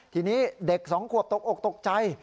ทีนี้เด็ก๒ขวบตกอกตกใจ